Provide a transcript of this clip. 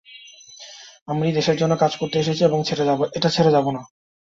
আমি দেশের জন্য কাজ করতে এসেছি এবং এটা ছেড়ে যাব না।